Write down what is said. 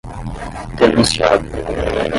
denunciado